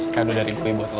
kado dari gue buat lo